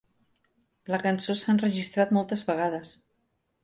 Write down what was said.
La cançó s'ha enregistrat moltes vegades.